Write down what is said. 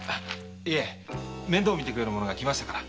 面倒みてくれる者がきましたから。